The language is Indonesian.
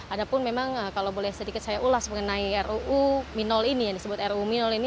ada pun memang kalau boleh sedikit saya ulas mengenai ruu minol ini yang disebut ruu minol ini